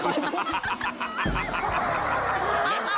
กินงานค่อย